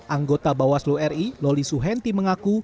anggota bawaslu ri loli suhenti mengaku